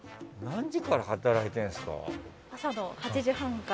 何時から働いてるんですか？